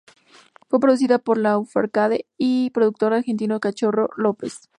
Fue producida por Lafourcade y productor argentino Cachorro López.